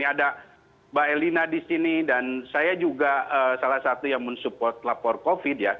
mbak elina di sini dan saya juga salah satu yang mengucapkan laporan covid sembilan belas